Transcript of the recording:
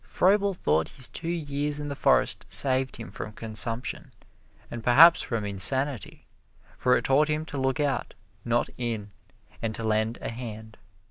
Froebel thought his two years in the forest saved him from consumption, and perhaps from insanity, for it taught him to look out, not in, and to lend a hand.